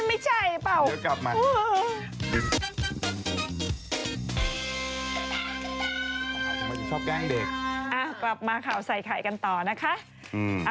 อ่ากลับมาข่าวใส่ไข่กันต่อนะคะ